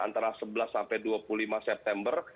antara sebelas sampai dua puluh lima september